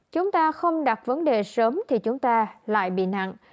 chúng ta không đặt vấn đề sớm thì chúng ta lại bị nặng